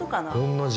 同じ。